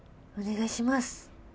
お願いします。